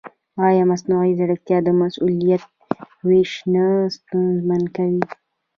ایا مصنوعي ځیرکتیا د مسؤلیت وېش نه ستونزمن کوي؟